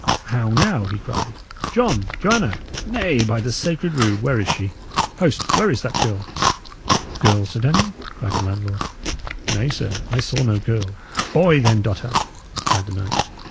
how now!" he cried. "John! Joanna! Nay, by the sacred rood! where is she? Host, where is that girl?" "Girl, Sir Daniel?" cried the landlord. "Nay, sir, I saw no girl." "Boy, then, dotard!" cried the knight.